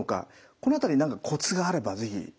この辺り何かコツがあれば是非。